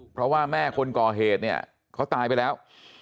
เพราะว่าแม่คนก่อเหตุเนี่ยเขาตายไปแล้ว